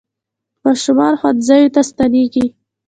ماشومان ښوونځیو ته ستنېږي.